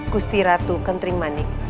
gusti ratu kentring manik